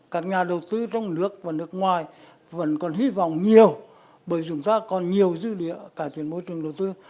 các nhà đầu tư trong nước và nước ngoài vẫn còn hy vọng nhiều bởi chúng ta còn nhiều dư địa cải thiện môi trường đầu tư